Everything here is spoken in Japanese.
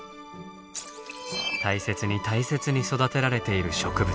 大切に大切に育てられている植物。